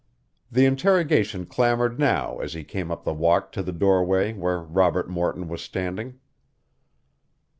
The interrogation clamored now as he came up the walk to the doorway where Robert Morton was standing.